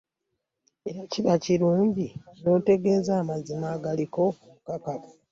Era kiba kirunji n'otegeea amazima agaliko obukakafu .